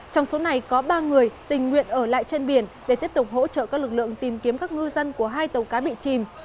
trong số này có ba người tình nguyện ở lại trên biển để tiếp tục hỗ trợ các lực lượng tìm kiếm các ngư dân của hai tàu cá bị chìm